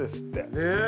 ねえ！